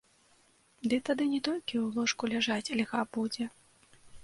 Ды тады не толькі ў ложку ляжаць льга будзе.